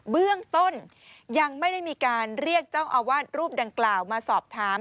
เบื้องต้นยังไม่ได้มีการเรียกเจ้าอาวาสรูปดังกล่าวมาสอบถาม